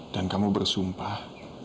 dan kamu bersumpah